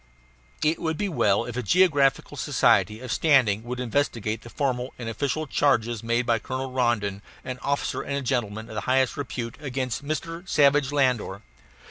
It would be well if a geographical society of standing would investigate the formal and official charges made by Colonel Rondon, an officer and gentleman of the highest repute, against Mr. Savage Landor.